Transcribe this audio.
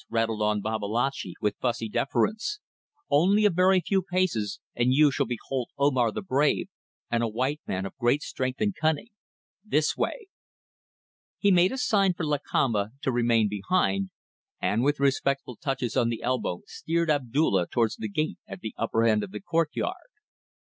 rattled on Babalatchi, with fussy deference. "Only a very few paces and you shall behold Omar the brave, and a white man of great strength and cunning. This way." He made a sign for Lakamba to remain behind, and with respectful touches on the elbow steered Abdulla towards the gate at the upper end of the court yard.